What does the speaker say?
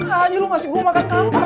aduh lu ngasih gue makan kamar